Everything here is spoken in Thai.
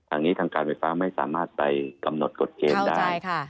ทางนี้ทางการไฟฟ้าไม่สามารถไปกำหนดกฎเกณฑ์ได้